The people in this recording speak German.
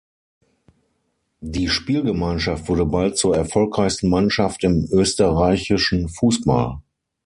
Die Spielgemeinschaft wurde bald zur erfolgreichsten Mannschaft im österreichischen Fußball.